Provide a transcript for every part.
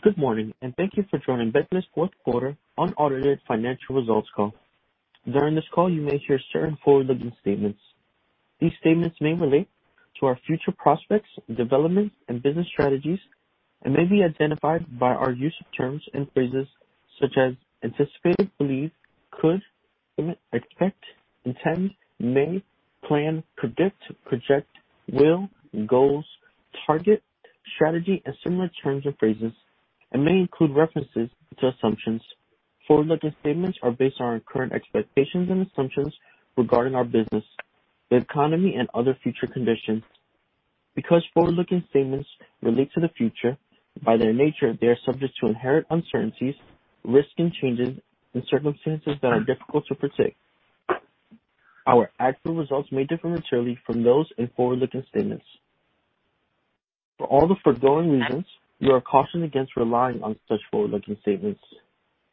Good morning, and thank youfourth quarter unaudited financial results Call. During this call, you may hear certain forward-looking statements. These statements may relate to our future prospects, developments, and business strategies, and may be identified by our use of terms and phrases such as anticipated, believe, could, expect, intend, may, plan, predict, project, will, goals, target, strategy, and similar terms and phrases, and may include references to assumptions. Forward-looking statements are based on our current expectations and assumptions regarding our business, the economy, and other future conditions. Because forward-looking statements relate to the future, by their nature, they are subject to inherent uncertainties, risk, and changes in circumstances that are difficult to predict. Our actual results may differ materially from those in forward-looking statements. For all the foregoing reasons, we are cautioned against relying on such forward-looking statements.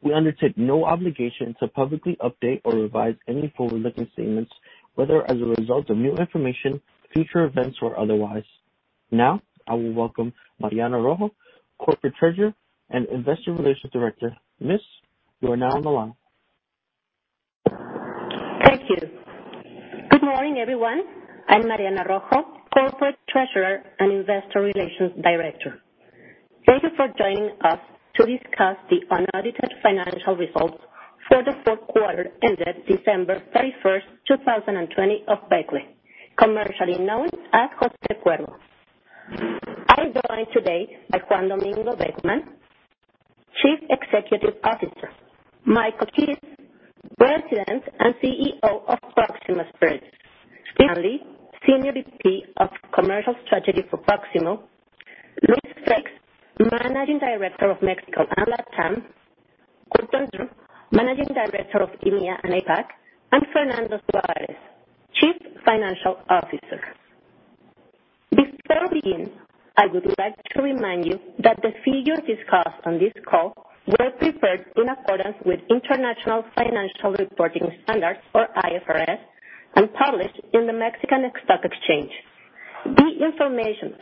We undertake no obligation to publicly update or revise any forward-looking statements, whether as a result of new information, future events, or otherwise. Now, I will welcome Mariana Rojo, Corporate Treasurer and Investor Relations Director. Miss, you are now on the line. Thank you. Good morning, everyone. I'm Mariana Rojo, Corporate Treasurer and Investor Relations Director. Thank you for joining us to discuss the unaudited financialfourth quarter ended december 31st, 2020, of Becle, commercially known as José Cuervo. I'm joined today by Juan Domingo Beckmann, Chief Executive Officer, Michael Keyes, President and CEO of Proximo Spirits, Steve Stanley, Senior VP of Commercial Strategy for Proximo, Luis Félix, Managing Director of Mexico and LatAm, Gordon Dron, Managing Director of EMEA and APAC, and Fernando Suárez, Chief Financial Officer. Before we begin, I would like to remind you that the figures discussed on this call were prepared in accordance with International Financial Reporting Standards, or IFRS, and published in the Mexican Stock Exchange.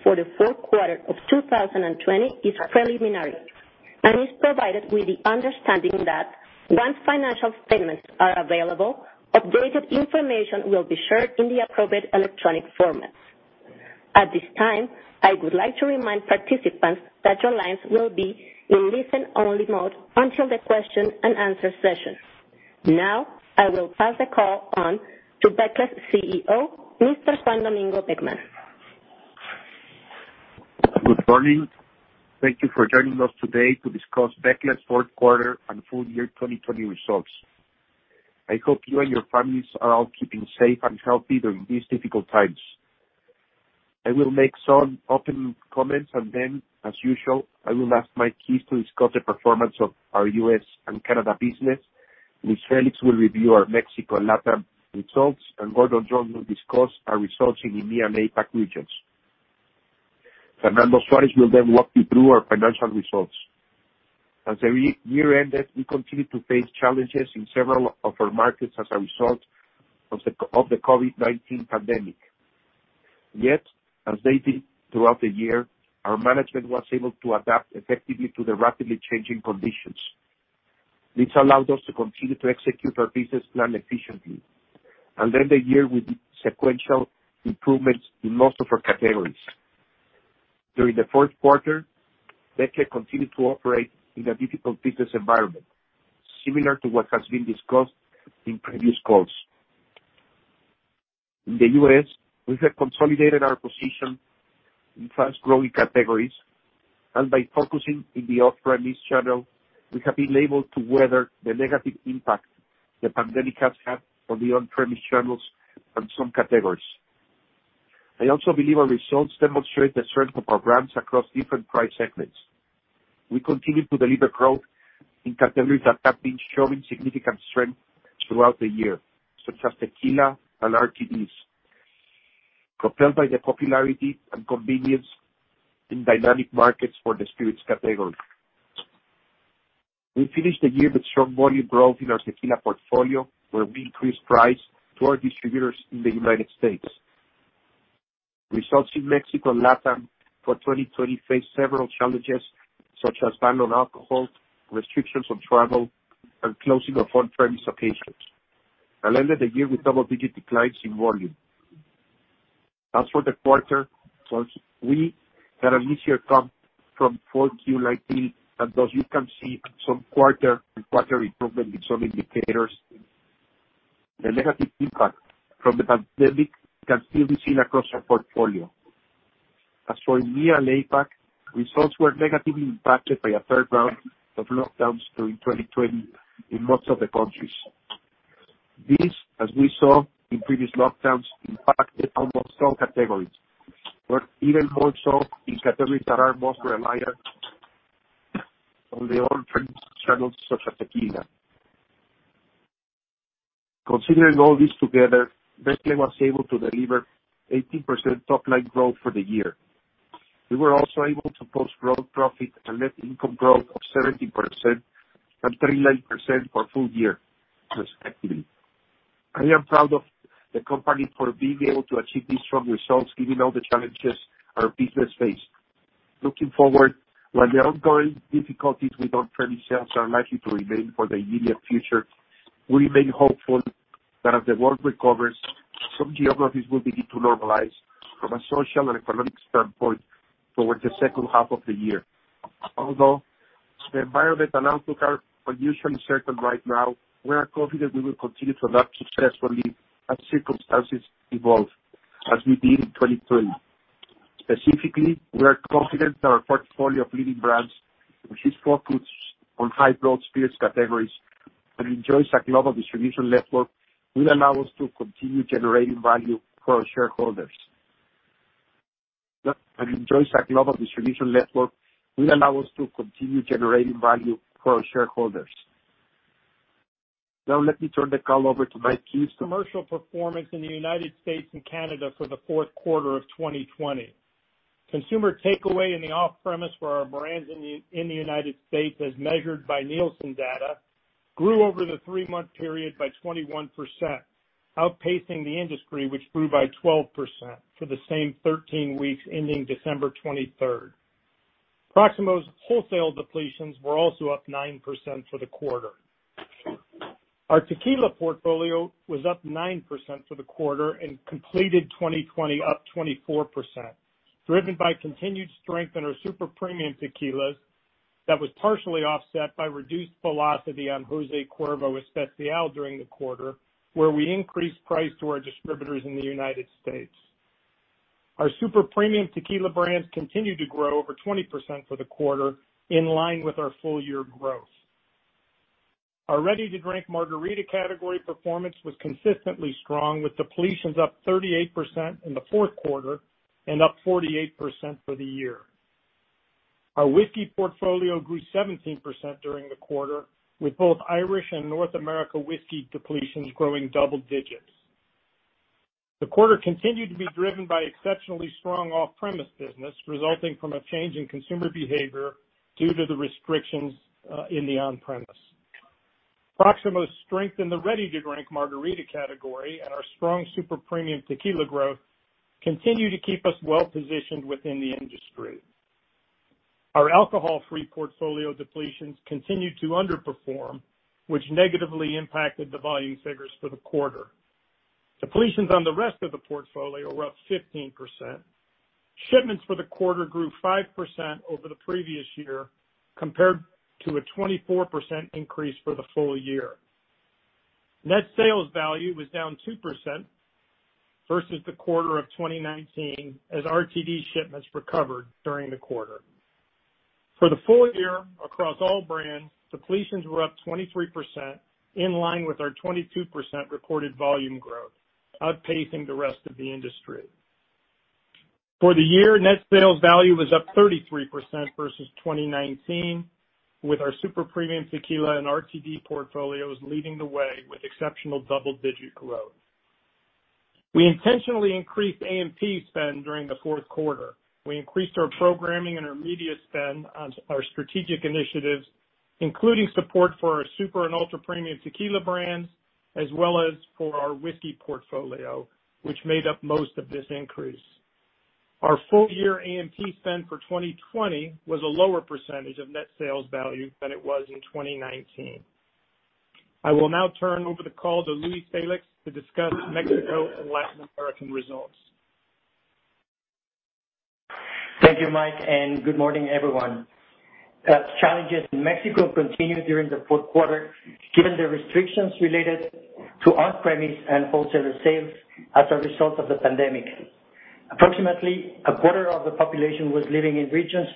Thefourth quarter of 2020 is preliminary and is provided with the understanding that once financial statements are available, updated information will be shared in the appropriate electronic format. At this time, I would like to remind participants that your lines will be in listen-only mode until the question-and-answer session. Now, I will pass the call on to Becle's CEO, Mr. Juan Domingo Beckmann. Good morning. Thank you for joining us todayfourth quarter and full year 2020 results. I hope you and your families are all keeping safe and healthy during these difficult times. I will make some open comments and then, as usual, I will ask Mike Keyes to discuss the performance of our US and Canada business. Luis Félix will review our Mexico and LatAm results, and Gordon Dron will discuss our results in EMEA and APAC regions. Fernando Suárez will then walk you through our financial results. As the year ended, we continued to face challenges in several of our markets as a result of the COVID-19 pandemic. Yet, as they did throughout the year, our management was able to adapt effectively to the rapidly changing conditions. This allowed us to continue to execute our business plan efficiently, and then the year we did sequential improvements in most of ourfourth quarter, becle continued to operate in a difficult business environment, similar to what has been discussed in previous calls. In the U.S., we have consolidated our position in fast-growing categories, and by focusing in the off-premise channel, we have been able to weather the negative impact the pandemic has had on the on-premise channels and some categories. I also believe our results demonstrate the strength of our brands across different price segments. We continue to deliver growth in categories that have been showing significant strength throughout the year, such as tequila and RTDs, propelled by the popularity and convenience in dynamic markets for the spirits category. We finished the year with strong volume growth in our tequila portfolio, where we increased price to our distributors in the United States. Results in Mexico and LatAm for 2020 faced several challenges, such as ban on alcohol, restrictions on travel, and closing of on-premise locations, and ended the year with double-digit declines in volume. As for the quarter, we had an easier comp from 4Q19, and thus you can see some quarter-to-quarter improvement in some indicators. The negative impact from the pandemic can still be seen across our portfolio. As for EMEA and APAC, results were negatively impacted by a third round of lockdowns during 2020 in most of the countries. This, as we saw in previous lockdowns, impacted almost all categories, but even more so in categories that are most reliant on the on-premise channels, such as tequila. Considering all this together, Becle was able to deliver 18% top-line growth for the year. We were also able to post gross profit and net income growth of 17% and 39% for full year, respectively. I am proud of the company for being able to achieve these strong results, given all the challenges our business faced. Looking forward, while the ongoing difficulties with on-premise sales are likely to remain for the immediate future, we remain hopeful that as the world recovers, some geographies will begin to normalize from a social and economic standpoint towards the second half of the year. Although the environmental outlook are unusually uncertain right now, we are confident we will continue to adapt successfully as circumstances evolve, as we did in 2020. Specifically, we are confident that our portfolio of leading brands, which is focused on high-growth spirits categories and enjoys a global distribution network, will allow us to continue generating value for our shareholders. Now, let me turn the call over to Mike Keyes. Commercial performance in the United States andfourth quarter of 2020. consumer takeaway in the off-premise for our brands in the United States, as measured by Nielsen data, grew over the three-month period by 21%, outpacing the industry, which grew by 12% for the same 13 weeks ending December 23rd. Proximo's wholesale depletions were also up 9% for the quarter. Our tequila portfolio was up 9% for the quarter and completed 2020 up 24%, driven by continued strength in our super premium tequilas that was partially offset by reduced velocity on José Cuervo Especial during the quarter, where we increased price to our distributors in the United States. Our super premium tequila brands continued to grow over 20% for the quarter, in line with our full-year growth. Our ready-to-drink margarita category performance was consistently strong, with depletions upfourth quarter and up 48% for the year. Our whiskey portfolio grew 17% during the quarter, with both Irish and North America whiskey depletions growing double digits. The quarter continued to be driven by exceptionally strong off-premise business, resulting from a change in consumer behavior due to the restrictions in the on-premise. Proximo's strength in the ready-to-drink margarita category and our strong super premium tequila growth continue to keep us well-positioned within the industry. Our alcohol-free portfolio depletions continued to underperform, which negatively impacted the volume figures for the quarter. Depletions on the rest of the portfolio were up 15%. Shipments for the quarter grew 5% over the previous year, compared to a 24% increase for the full year. Net sales value was down 2% versus the quarter of 2019, as RTD shipments recovered during the quarter. For the full year, across all brands, depletions were up 23%, in line with our 22% reported volume growth, outpacing the rest of the industry. For the year, net sales value was up 33% versus 2019, with our super premium tequila and RTD portfolios leading the way with exceptional double-digit growth. We intentionally increased A&Pfourth quarter. we increased our programming and our media spend on our strategic initiatives, including support for our super and ultra-premium tequila brands, as well as for our whiskey portfolio, which made up most of this increase. Our full-year A&P spend for 2020 was a lower percentage of net sales value than it was in 2019. I will now turn over the call to Luis Félix to discuss Mexico and Latin American results. Thank you, Mike, and good morning, everyone. Challenges in Mexicofourth quarter, given the restrictions related to on-premise and wholesale sales as a result of the pandemic. Approximately a quarter of the population was living in regions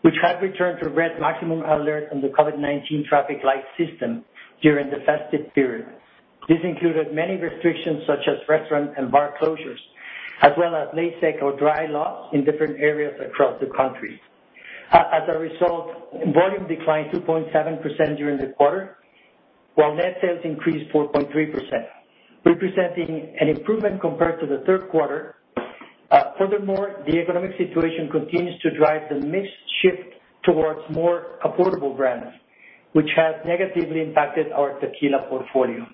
which had returned to red maximum alert on the COVID-19 traffic light system during the festive period. This included many restrictions, such as restaurant and bar closures, as well as late-sale or dry laws in different areas across the country. As a result, volume declined 2.7% during the quarter, while net sales increased 4.3%, representing an improvement compared tothird quarter. furthermore, the economic situation continues to drive the mix shift towards more affordable brands, which has negatively impacted our tequila portfolio.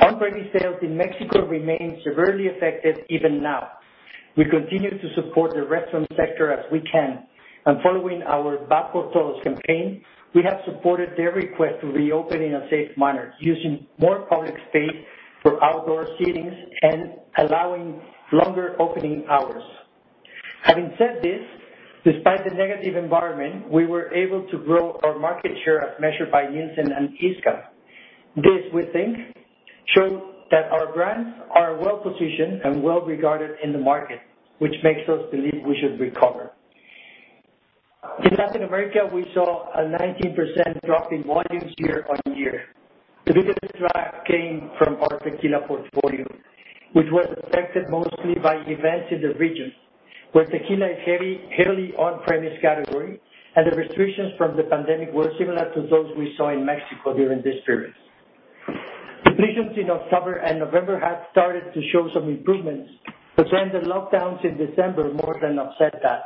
On-premise sales in Mexico remain severely affected even now. We continue to support the restaurant sector as we can, and following our Va Por Todos campaign, we have supported their request to reopen in a safe manner, using more public space for outdoor seatings and allowing longer opening hours. Having said this, despite the negative environment, we were able to grow our market share as measured by Nielsen and ISCAM. This, we think, shows that our brands are well-positioned and well-regarded in the market, which makes us believe we should recover. In Latin America, we saw a 19% drop in volumes year on year. The biggest drop came from our tequila portfolio, which was affected mostly by events in the region, where tequila is a heavily on-premise category, and the restrictions from the pandemic were similar to those we saw in Mexico during this period. Depletions in October and November had started to show some improvements, but then the lockdowns in December more than upset that.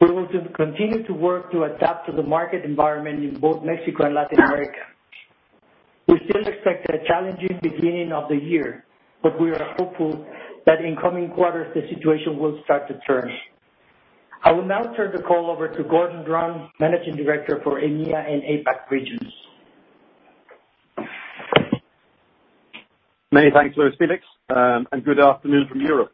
We will continue to work to adapt to the market environment in both Mexico and Latin America. We still expect a challenging beginning of the year, but we are hopeful that in coming quarters, the situation will start to turn. I will now turn the call over to Gordon Dron, Managing Director for EMEA and APAC regions. Many thanks, Luis Félix, and good afternoon from Europe.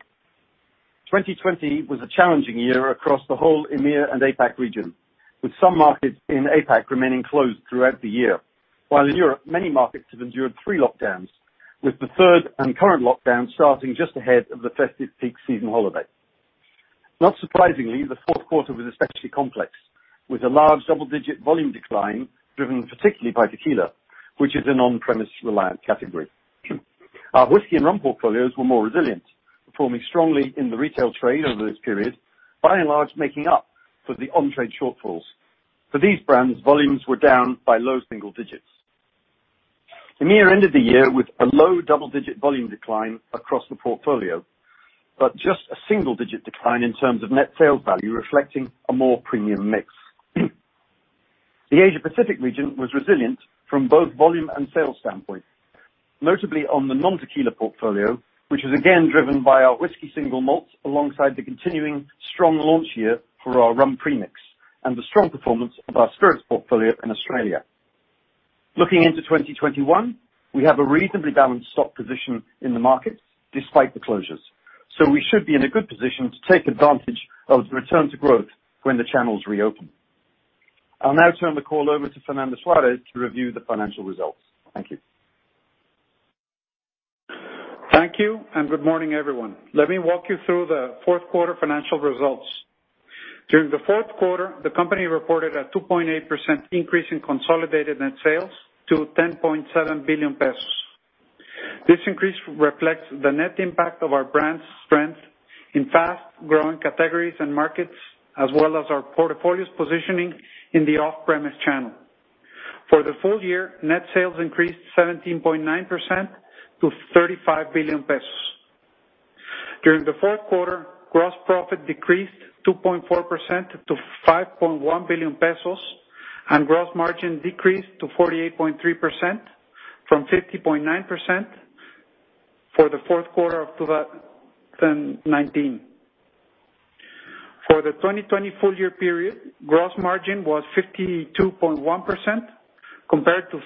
2020 was a challenging year across the whole EMEA and APAC region, with some markets in APAC remaining closed throughout the year, while in Europe, many markets have endured three lockdowns, with the third and current lockdown starting just ahead of the festive peak season holiday.fourth quarter was especially complex, with a large double-digit volume decline driven particularly by tequila, which is an on-premise-reliant category. Our whiskey and rum portfolios were more resilient, performing strongly in the retail trade over this period, by and large making up for the on-trade shortfalls. For these brands, volumes were down by low single digits. EMEA ended the year with a low double-digit volume decline across the portfolio, but just a single-digit decline in terms of net sales value, reflecting a more premium mix. The Asia-Pacific region was resilient from both volume and sales standpoint, notably on the non-tequila portfolio, which was again driven by our whiskey single malts alongside the continuing strong launch year for our rum premix and the strong performance of our spirits portfolio in Australia. Looking into 2021, we have a reasonably balanced stock position in the markets despite the closures, so we should be in a good position to take advantage of the return to growth when the channels reopen. I'll now turn the call over to Fernando Suárez to review the financial results. Thank you. Thank you, and good morning, everyone. Let me walkfourth quarter, the company reported a 2.8% increase in consolidated net sales to 10.7 billion pesos. This increase reflects the net impact of our brand's strength in fast-growing categories and markets, as well as our portfolio's positioning in the off-premise channel. For the full year, net sales increased 17.9% to MXN 35 billionfourth quarter, gross profit decreased 2.4% to 5.1 billion pesos, and gross margin decreased to 48.3% fromfourth quarter of 2019. for the 2020 full-year period, gross margin was 52.1% compared to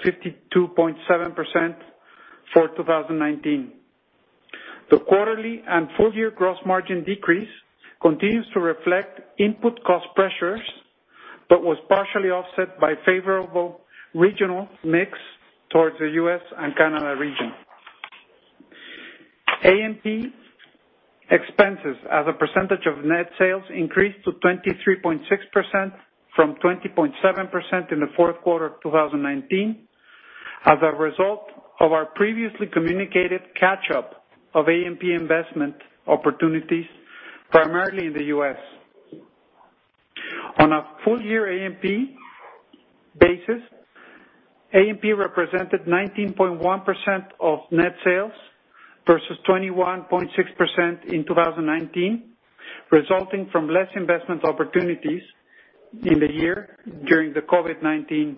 52.7% for 2019. The quarterly and full-year gross margin decrease continues to reflect input cost pressures but was partially offset by favorable regional mix towards the U.S. and Canada region. A&P expenses, as a percentage of net sales, increased to 23.6% fromfourth quarter of 2019, as a result of our previously communicated catch-up of A&P investment opportunities, primarily in the U.S. On a full-year A&P basis, A&P represented 19.1% of net sales versus 21.6% in 2019, resulting from less investment opportunities in the year during the COVID-19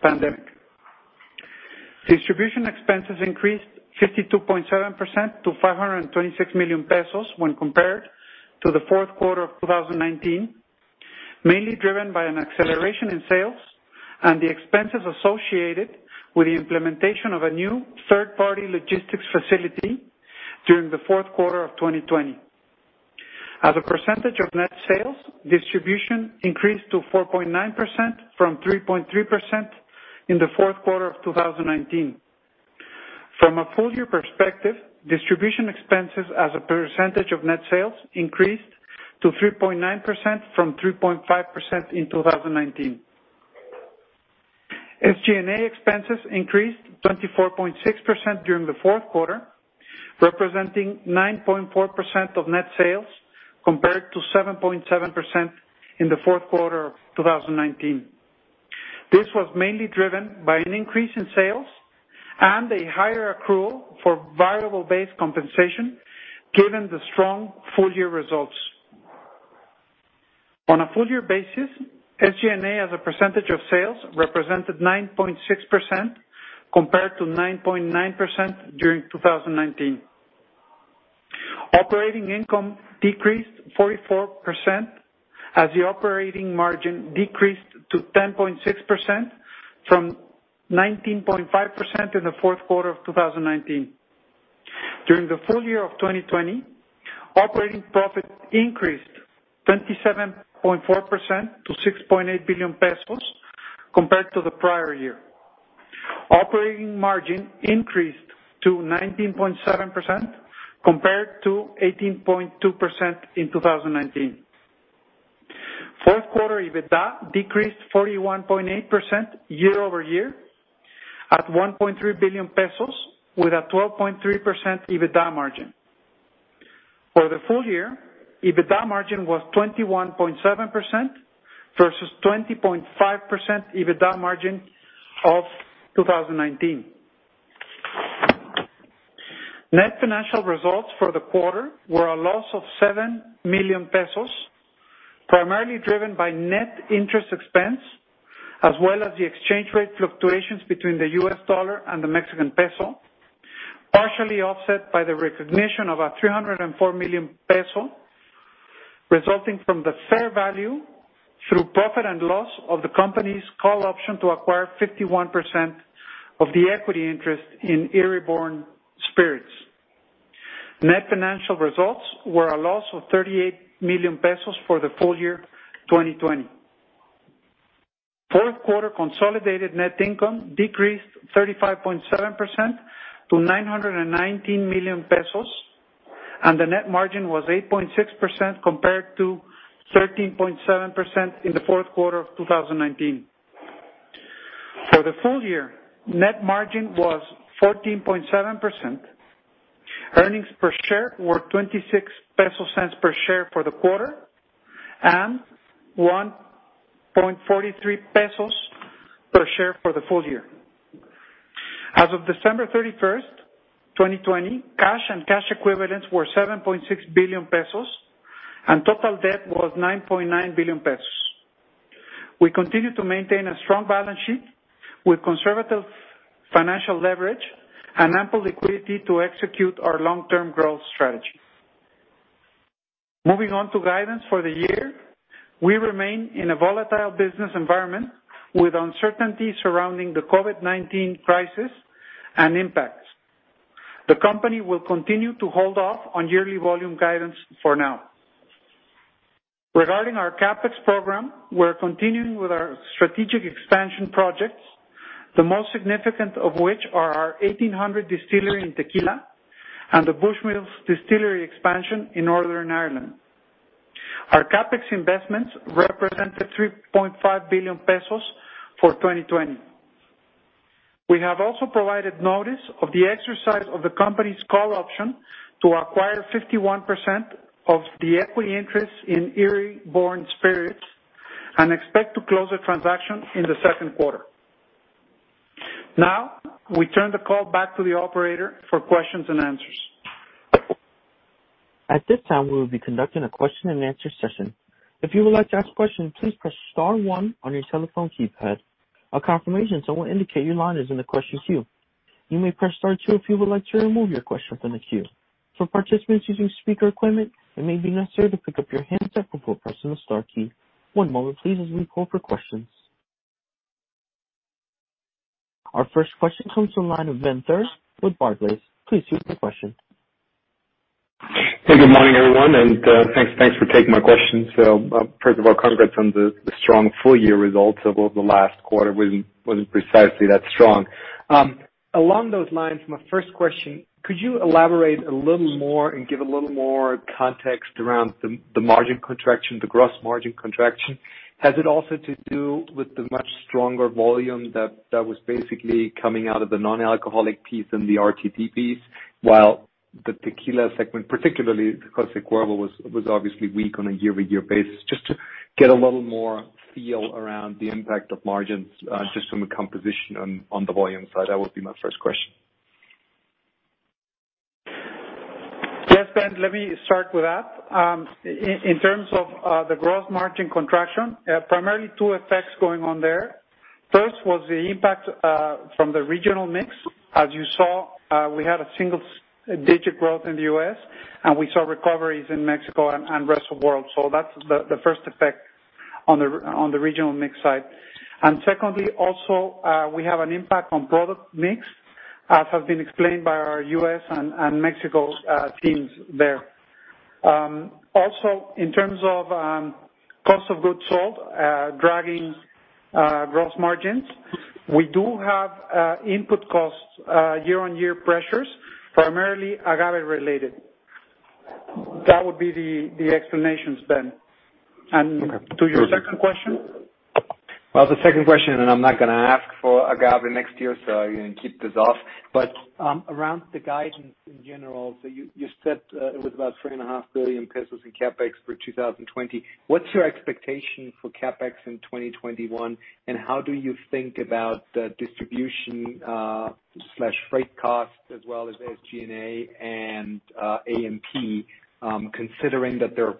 pandemic. Distribution expenses increased 52.7% - 526 million pesos whenfourth quarter of 2019, mainly driven by an acceleration in sales and the expenses associated with the implementation of a new third-party logisticsfourth quarter of 2020. as a percentage of net sales, distribution increased to 4.9% fromfourth quarter of 2019. from a full-year perspective, distribution expenses, as a percentage of net sales, increased to 3.9% from 3.5% in 2019. SG&A expenses increasedfourth quarter, representing 9.4% of net sales compared tofourth quarter of 2019. this was mainly driven by an increase in sales and a higher accrual for variable-based compensation, given the strong full-year results. On a full-year basis, SG&A, as a percentage of sales, represented 9.6% compared to 9.9% during 2019. Operating income decreased 44% as the operating margin decreased to 10.6% fromfourth quarter of 2019. during the full year of 2020, operating profit increased 27.4% to 6.8 billion pesos compared to the prior year. Operating margin increased to 19.7% compared tofourth quarter ebitda decreased 41.8% year over year at 1.3 billion pesos, with a 12.3% EBITDA margin. For the full year, EBITDA margin was 21.7% versus 20.5% EBITDA margin of 2019. Net financial results for the quarter were a loss of 7 million pesos, primarily driven by net interest expense, as well as the exchange rate fluctuations between the US dollar and the Mexican peso, partially offset by the recognition of a 304 million peso resulting from the fair value through profit and loss of the company's call option to acquire 51% of the equity interest in Eire Born Spirits. Net financial results were a loss of 38 million pesos for thefourth quarter consolidated net income decreased 35.7% to 919 million pesos, and the net margin was 8.6% compared tofourth quarter of 2019. for the full year, net margin was 14.7%. Earnings per share were 26 peso per share for the quarter and 1.43 pesos per share for the full year. As of December 31, 2020, cash and cash equivalents were 7.6 billion pesos, and total debt was 9.9 billion pesos. We continue to maintain a strong balance sheet with conservative financial leverage and ample liquidity to execute our long-term growth strategy. Moving on to guidance for the year, we remain in a volatile business environment with uncertainty surrounding the COVID-19 crisis and impacts. The company will continue to hold off on yearly volume guidance for now. Regarding our CAPEX program, we're continuing with our strategic expansion projects, the most significant of which are our 1800 distillery in Tequila and the Bushmills distillery expansion in Northern Ireland. Our CAPEX investments represented 3.5 billion pesos for 2020. We have also provided notice of the exercise of the company's call option to acquire 51% of the equity interest in Eire Born Spirits and expect to close the transaction in the second quarter. Now, we turn the call back to the operator for questions and answers. At this time, we will be conducting a question-and-answer session. If you would like to ask a question, please press star 1 on your telephone keypad. A confirmation tone will indicate your line is in the question queue. You may press star 2 if you would like to remove your question from the queue. For participants using speaker equipment, it may be necessary to pick up your handset before pressing the star key. One moment, please, as we pull up your questions. Our first question comes from the line of Ben Theurer with Barclays. Please state your question. Hey, good morning, everyone, and thanks for taking my question. So, first of all, congrats on the strong full-year results of the last quarter. It wasn't precisely that strong. Along those lines, my first question, could you elaborate a little more and give a little more context around the margin contraction, the gross margin contraction? Has it also to do with the much stronger volume that was basically coming out of the non-alcoholic piece and the RTD piece, while the tequila segment, particularly the José Cuervo, was obviously weak on a year-to-year basis? Just to get a little more feel around the impact of margins just from a composition on the volume side, that would be my first question. Yes, Ben, let me start with that. In terms of the gross margin contraction, primarily two effects going on there. First was the impact from the regional mix. As you saw, we had a single-digit growth in the U.S., and we saw recoveries in Mexico and the rest of the world. So that's the first effect on the regional mix side. And secondly, also, we have an impact on product mix, as has been explained by our U.S. and Mexico teams there. Also, in terms of cost of goods sold dragging gross margins, we do have input cost year-on-year pressures, primarily agave-related. That would be the explanations, Ben. And to your second question. The second question, and I'm not going to ask for agave next year, so I'm going to keep this short. But around the guidance in general, so you said it was about 3.5 billion pesos in CAPEX for 2020. What's your expectation for CAPEX in 2021, and how do you think about the distribution/freight cost as well as SG&A and A&P, considering that there are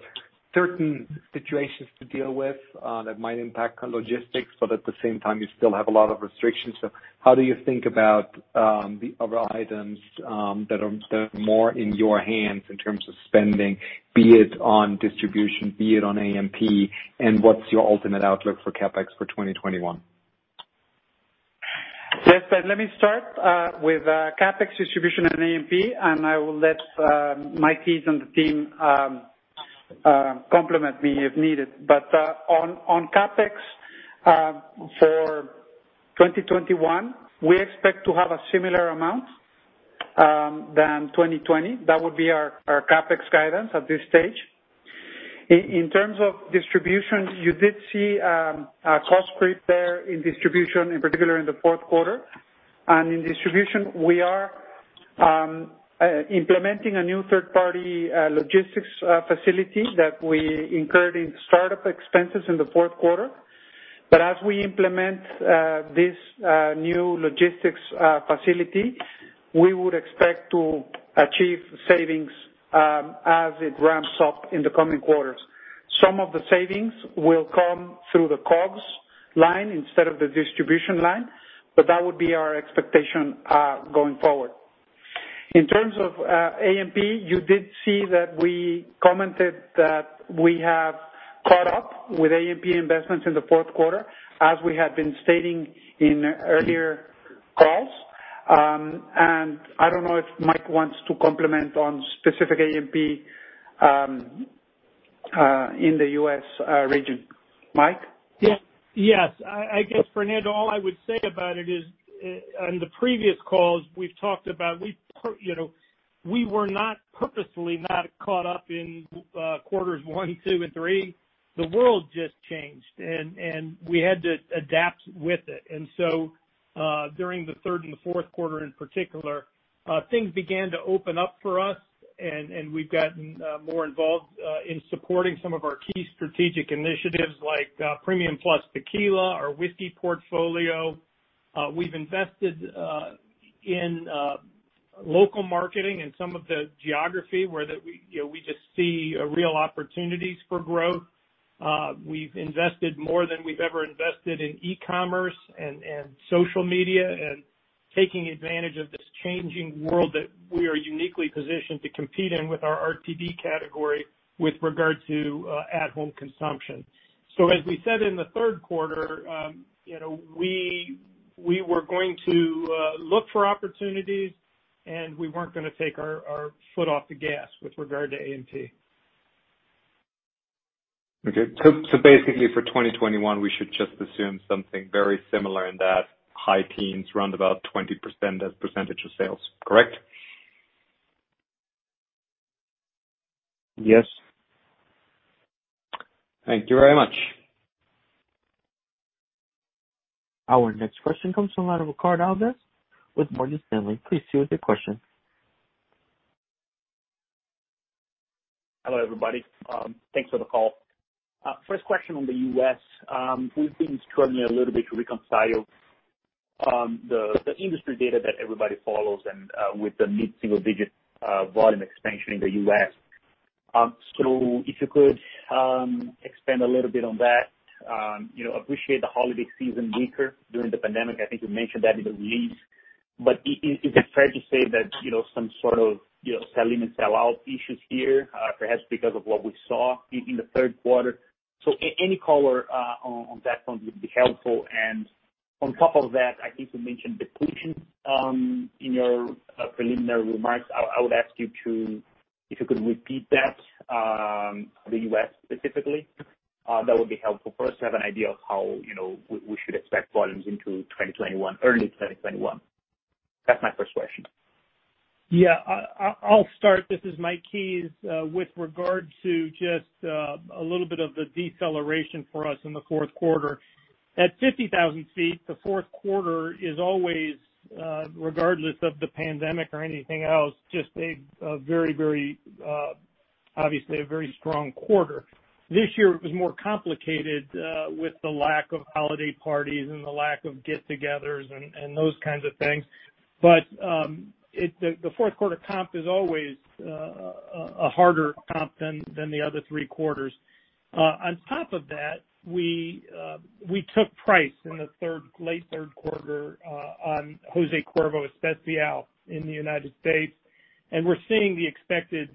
certain situations to deal with that might impact on logistics, but at the same time, you still have a lot of restrictions? How do you think about the other items that are more in your hands in terms of spending, be it on distribution, be it on A&P, and what's your ultimate outlook for CAPEX for 2021? Yes, Ben, let me start with CAPEX, distribution, and A&P, and I will let Mikey and the team complement me if needed. But on CAPEX for 2021, we expect to have a similar amount than 2020. That would be our CAPEX guidance at this stage. In terms of distribution, you did see a cost creep there in distribution, infourth quarter, and in distribution, we are implementing a new third-party logistics facility that we incurred in startupfourth quarter. but as we implement this new logistics facility, we would expect to achieve savings as it ramps up in the coming quarters. Some of the savings will come through the COGS line instead of the distribution line, but that would be our expectation going forward. In terms of A&P, you did see that we commented that we have caught up with A&Pfourth quarter, as we had been stating in earlier calls. And I don't know if Mike wants to comment on specific A&P in the US region. Mike? Yes. Yes. I guess, Fernando, all I would say about it is, on the previous calls, we've talked about we were not purposefully not caught up in Q1, 2, and 3. The world just changed, and we had to adapt with it. And so during thefourth quarter in particular, things began to open up for us, and we've gotten more involved in supporting some of our key strategic initiatives like Premium Plus Tequila, our whiskey portfolio. We've invested in local marketing and some of the geography where we just see real opportunities for growth. We've invested more than we've ever invested in e-commerce and social media and taking advantage of this changing world that we are uniquely positioned to compete in with our RTD category with regard to at-home consumption. So as we said inthird quarter, we were going to look for opportunities, and we weren't going to take our foot off the gas with regard to A&P. Okay. So basically, for 2021, we should just assume something very similar in that high teens, around about 20% as percentage of sales, correct? Yes. Thank you very much. Our next question comes from Ricardo Alves with Morgan Stanley. Please state your question. Hello, everybody. Thanks for the call. First question on the U.S. We've been struggling a little bit to reconcile the industry data that everybody follows with the mid-single-digit volume expansion in the U.S. So if you could expand a little bit on that. Appreciate the holiday season weaker during the pandemic. I think you mentioned that in the release. But is it fair to say that some sort of sell-in and sell-out issues here, perhaps because of what we saw inthird quarter? so any color on that point would be helpful. And on top of that, I think you mentioned depletion in your preliminary remarks. I would ask you if you could repeat that for the U.S. specifically. That would be helpful for us to have an idea of how we should expect volumes into early 2021. That's my first question. Yeah. I'll start. This is Mike's. With regard to just a little bit of the deceleration forfourth quarter is always, regardless of the pandemic or anything else, just a very, very obviously a very strong quarter. This year, it was more complicated with the lack of holiday parties and the lack of get-togethers and those kinds offourth quarter comp is always a harder comp than the other three quarters. On top of that, we took price in thethird quarter on José Cuervo Especial in the United States. And we're seeing the expected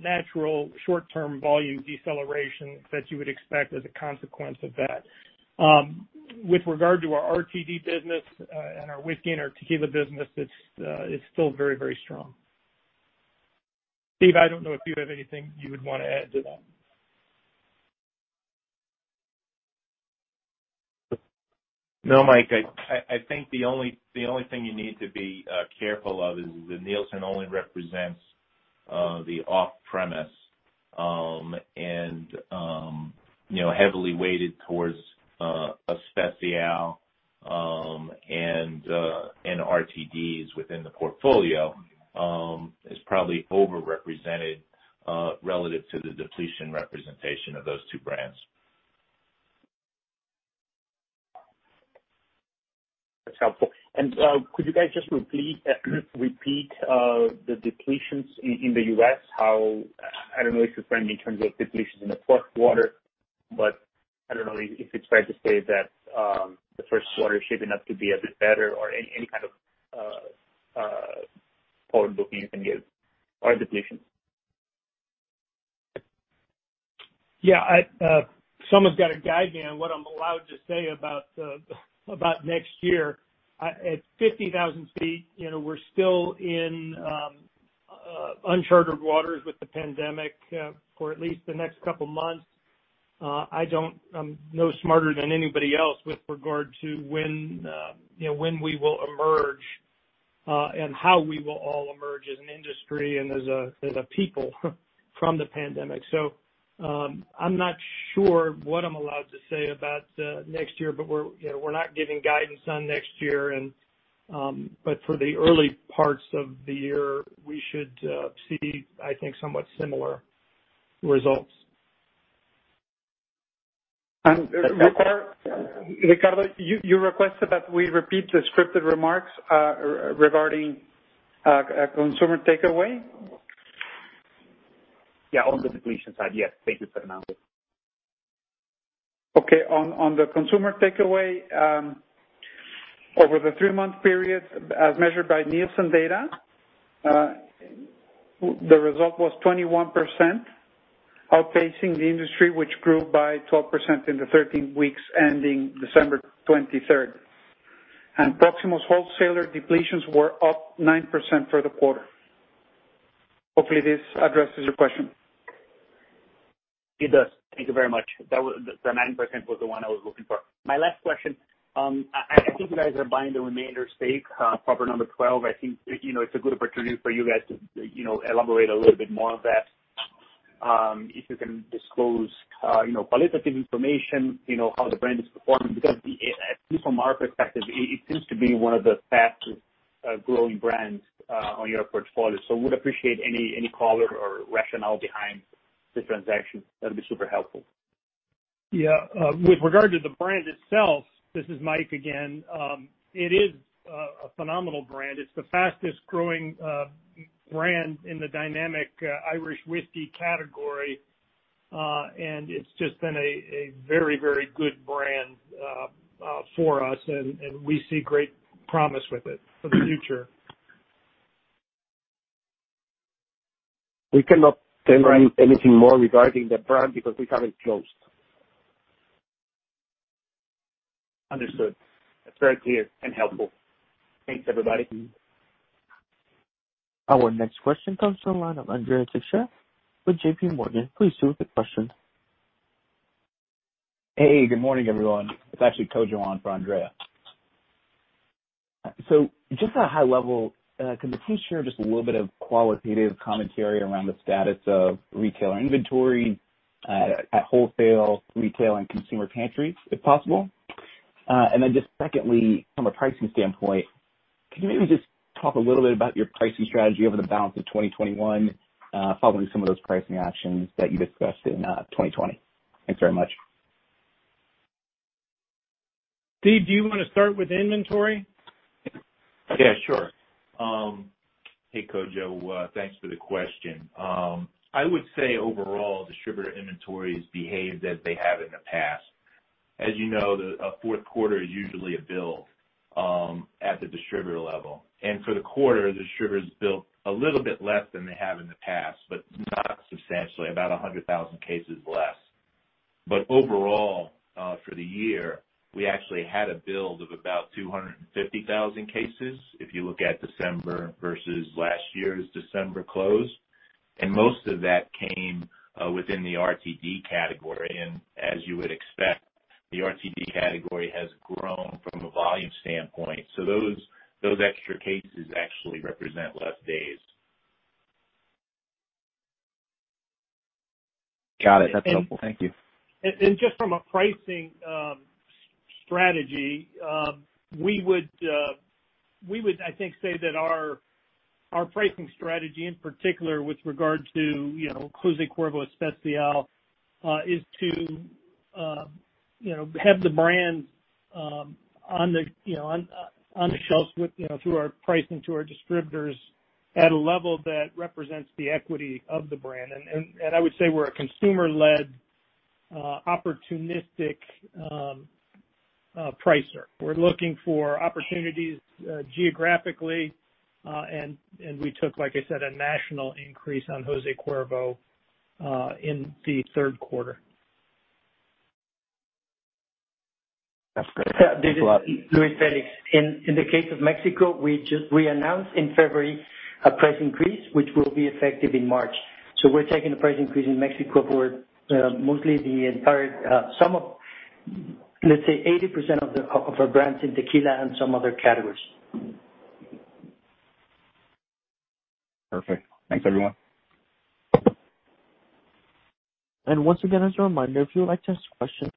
natural short-term volume deceleration that you would expect as a consequence of that. With regard to our RTD business and our whiskey and our tequila business, it's still very, very strong. Steve, I don't know if you have anything you would want to add to that? No, Mike. I think the only thing you need to be careful of is that Nielsen only represents the off-premise and heavily weighted towards Especial and RTDs within the portfolio. It's probably overrepresented relative to the depletion representation of those two brands. That's helpful. And could you guys just repeat the depletions in the US? I don't know if it's in terms offourth quarter, but i don't know if it's fair to say that the first quarter is shaping up to be a bit better or any kind of forward-looking you can give or depletions. Yeah. Someone's got to guide me on what I'm allowed to say about next year. At 50,000 feet, we're still in uncharted waters with the pandemic for at least the next couple of months. I'm no smarter than anybody else with regard to when we will emerge and how we will all emerge as an industry and as a people from the pandemic, so I'm not sure what I'm allowed to say about next year, but we're not giving guidance on next year, but for the early parts of the year, we should see, I think, somewhat similar results. Ricardo, you requested that we repeat the scripted remarks regarding consumer takeaway. Yeah, on the depletion side, yes. Thank you, Fernando. Okay. On the consumer takeaway, over the three-month period, as measured by Nielsen data, the result was 21% outpacing the industry, which grew by 12% in the 13 weeks ending December 23rd. And Proximo's wholesaler depletions were up 9% for the quarter. Hopefully, this addresses your question. It does. Thank you very much. The 9% was the one I was looking for. My last question. I think you guys are buying the remainder stake, Proper No. Twelve. I think it's a good opportunity for you guys to elaborate a little bit more on that. If you can disclose qualitative information, how the brand is performing, because at least from our perspective, it seems to be one of the fastest-growing brands on your portfolio. So we'd appreciate any color or rationale behind the transaction. That would be super helpful. Yeah. With regard to the brand itself, this is Mike again. It is a phenomenal brand. It's the fastest-growing brand in the dynamic Irish whiskey category, and it's just been a very, very good brand for us, and we see great promise with it for the future. We cannot tell you anything more regarding the brand because we haven't closed. Understood. That's very clear and helpful. Thanks, everybody. Our next question comes from Andrea Teixeira with JP Morgan. Please state your question. Hey, good morning, everyone. It's actually a question from Andrea. So just at a high level, can we please share just a little bit of qualitative commentary around the status of retail inventory at wholesale, retail, and consumer pantries, if possible? And then just secondly, from a pricing standpoint, can you maybe just talk a little bit about your pricing strategy over the balance of 2021 following some of those pricing actions that you discussed in 2020? Thanks very much. Steve, do you want to start with inventory? Yeah, sure. Hey, Kojo, thanks for the question. I would say overall, distributor inventory has behaved as they have in the past. Asfourth quarter is usually a build at the distributor level, and for the quarter, the distributors built a little bit less than they have in the past, but not substantially, about 100,000 cases less, but overall, for the year, we actually had a build of about 250,000 cases if you look at December versus last year's December close, and most of that came within the RTD category, and as you would expect, the RTD category has grown from a volume standpoint, so those extra cases actually represent less days. Got it. That's helpful. Thank you. Just from a pricing strategy, we would, I think, say that our pricing strategy, in particular with regard to José Cuervo Especial, is to have the brand on the shelves through our pricing to our distributors at a level that represents the equity of the brand. I would say we're a consumer-led, opportunistic pricer. We're looking for opportunities geographically. We took, like I said, a national increase on José Cuervo in the third quarter. That's great. Thanks a lot. in the case of Mexico, we announced in February a price increase, which will be effective in March. So we're taking a price increase in Mexico for mostly the entire sum of, let's say, 80% of our brands in tequila and some other categories. Perfect. Thanks, everyone. Once again, as a reminder, if you would like to ask a question,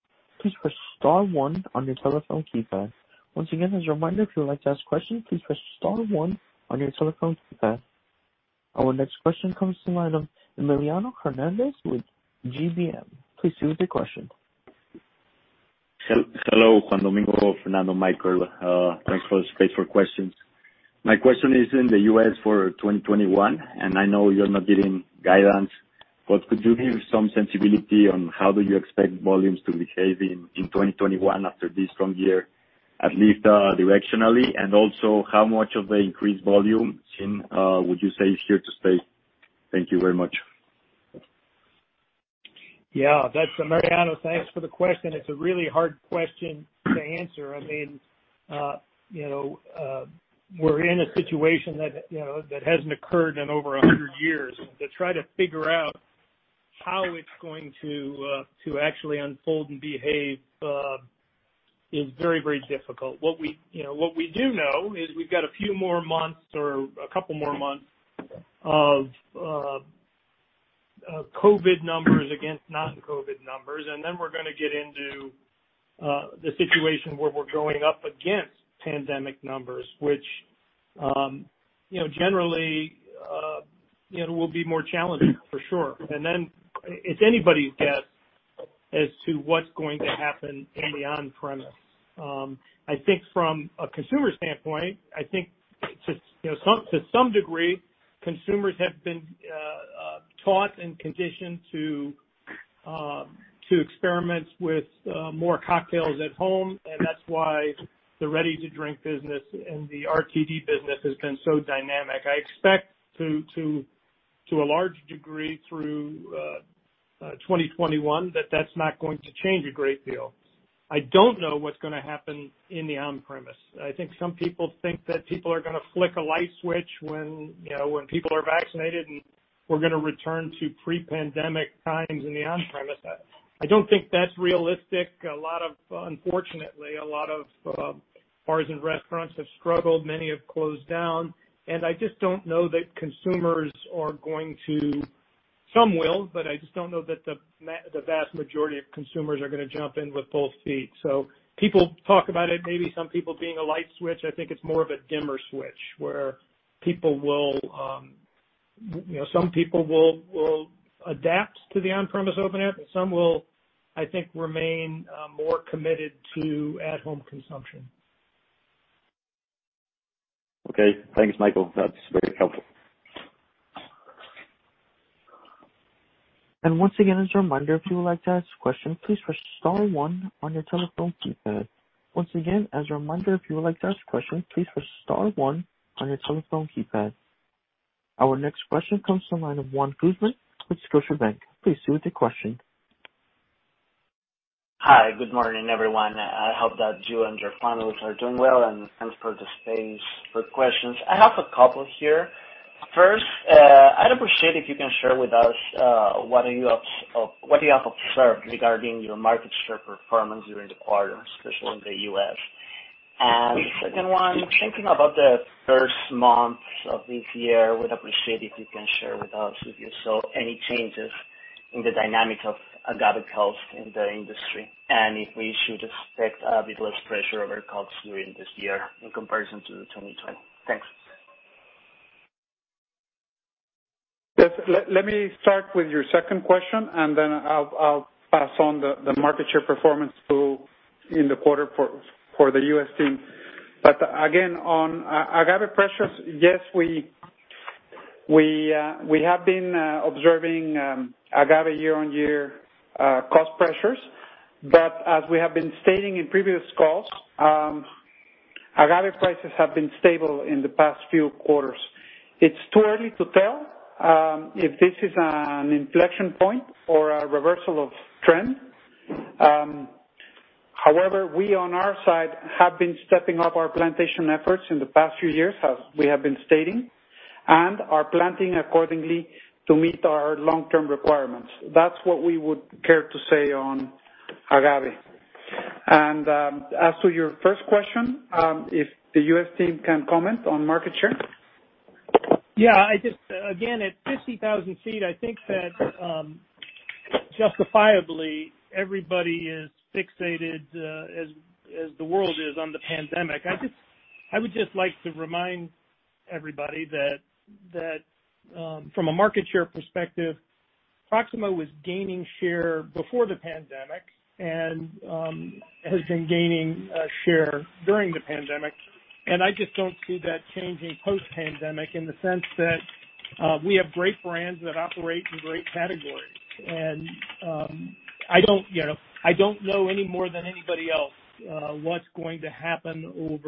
please press star one on your telephone keypad. Once again, as a reminder, if you would like to ask a question, please press star one on your telephone keypad. Our next question comes from Emiliano Hernández with GBM. Please state your question. Hello, Juan Domingo, Fernando, Michael. Thanks for the space for questions. My question is in the US for 2021, and I know you're not giving guidance, but could you give some sensitivity on how do you expect volumes to behave in 2021 after this strong year, at least directionally? And also, how much of the increased volume would you say is here to stay? Thank you very much. Yeah. Mariana, thanks for the question. It's a really hard question to answer. I mean, we're in a situation that hasn't occurred in over 100 years. To try to figure out how it's going to actually unfold and behave is very, very difficult. What we do know is we've got a few more months or a couple more months of COVID numbers against non-COVID numbers. And then we're going to get into the situation where we're going up against pandemic numbers, which generally will be more challenging, for sure. And then it's anybody's guess as to what's going to happen in the on-premise. I think from a consumer standpoint, I think to some degree, consumers have been taught and conditioned to experiment with more cocktails at home. And that's why the ready-to-drink business and the RTD business has been so dynamic. I expect to a large degree through 2021 that that's not going to change a great deal. I don't know what's going to happen in the on-premise. I think some people think that people are going to flick a light switch when people are vaccinated and we're going to return to pre-pandemic times in the on-premise. I don't think that's realistic. Unfortunately, a lot of bars and restaurants have struggled. Many have closed down, and I just don't know that consumers are going to, some will, but I just don't know that the vast majority of consumers are going to jump in with both feet. People talk about it, maybe some people being a light switch. I think it's more of a dimmer switch where people will, some people will adapt to the on-premise opening up, and some will, I think, remain more committed to at-home consumption. Okay. Thanks, Michael. That's very helpful. And once again, as a reminder, if you would like to ask a question, please press star one on your telephone keypad. Once again, as a reminder, if you would like to ask a question, please press star one on your telephone keypad. Our next question comes from Juan Guzmán, with Scotiabank. Please state your question. Hi. Good morning, everyone. I hope that you and your families are doing well and prepared for the space for questions. I have a couple here. First, I'd appreciate it if you can share with us what you have observed regarding your market share performance during the quarter, especially in the U.S., and second one, thinking about the first months of this year, we'd appreciate it if you can share with us if you saw any changes in the dynamics of agave health in the industry and if we should expect a bit less pressure over COGS during this year in comparison to 2020. Thanks. Yes. Let me start with your second question, and then I'll pass on the market share performance in the quarter for the U.S. team. But again, on agave pressures, yes, we have been observing agave year-on-year cost pressures. But as we have been stating in previous calls, agave prices have been stable in the past few quarters. It's too early to tell if this is an inflection point or a reversal of trend. However, we on our side have been stepping up our plantation efforts in the past few years, as we have been stating, and are planting accordingly to meet our long-term requirements. That's what we would care to say on agave. And as to your first question, if the U.S. team can comment on market share. Yeah. Again, at 50,000 feet, I think that justifiably everybody is fixated, as the world is, on the pandemic. I would just like to remind everybody that from a market share perspective, Proximo was gaining share before the pandemic and has been gaining share during the pandemic. And I just don't see that changing post-pandemic in the sense that we have great brands that operate in great categories. And I don't know any more than anybody else what's going to happen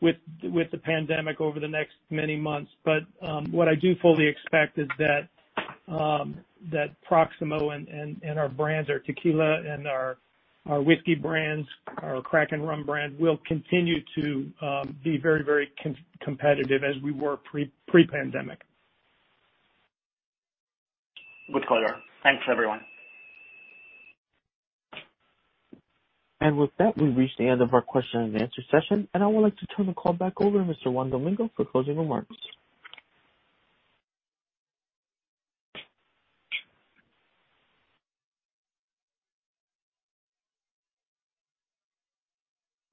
with the pandemic over the next many months. But what I do fully expect is that Proximo and our brands, our tequila and our whiskey brands, our Kraken Rum brand, will continue to be very, very competitive as we were pre-pandemic. We're clear. Thanks, everyone. And with that, we reach the end of our question-and-answer session. And I would like to turn the call back over to Mr. Juan Domingo for closing remarks.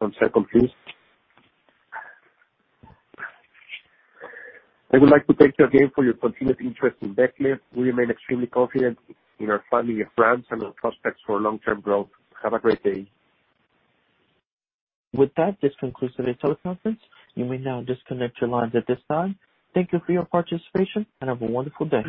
I'm so confused. I would like to thank you again for your continued interest in Becle. We remain extremely confident in our family of brands and our prospects for long-term growth. Have a great day. With that, this concludes today's teleconference. You may now disconnect your lines at this time. Thank you for your participation and have a wonderful day.